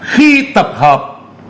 khi tập hợp